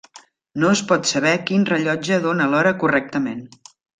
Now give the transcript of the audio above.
No es pot saber quin rellotge dóna l'hora correctament.